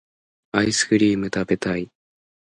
アイスクリームたべたい